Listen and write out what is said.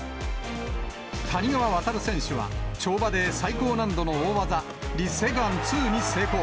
谷川航選手は、跳馬で最高難度の大技、リ・セグァン２を成功。